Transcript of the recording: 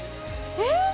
えっ！